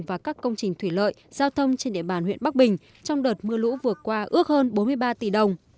và các công trình thủy lợi giao thông trên địa bàn huyện bắc bình trong đợt mưa lũ vừa qua ước hơn bốn mươi ba tỷ đồng